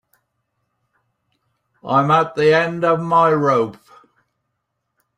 I'm at the end of my rope.